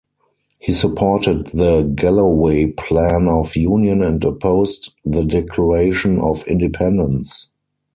He supported the Galloway Plan of Union and opposed the Declaration of Independence.